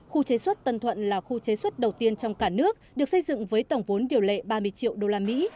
khu chế xuất tân thuận là khu chế xuất đầu tiên trong cả nước được xây dựng với tổng vốn điều lệ ba mươi triệu đô la mỹ